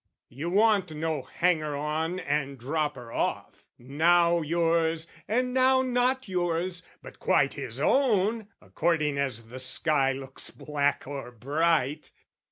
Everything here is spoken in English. You want no hanger on and dropper off, Now yours, and now not yours but quite his own, According as the sky looks black or bright.